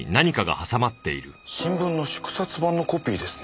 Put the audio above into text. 新聞の縮刷版のコピーですね。